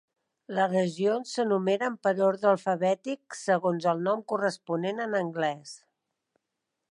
Les regions s'enumeren per ordre alfabètic segons el nom corresponent en anglès.